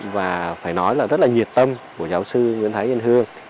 và phải nói là rất là nhiệt tâm của giáo sư nguyễn thái yên hương